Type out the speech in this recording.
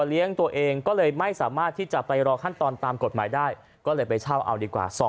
เลี้ยงตัวเองก็เลยไม่สามารถที่จะไปรอขั้นตอนตามกฎหมายได้ก็เลยไปเช่าเอาดีกว่า